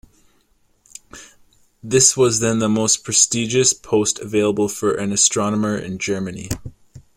This was then the most prestigious post available for an astronomer in Germany.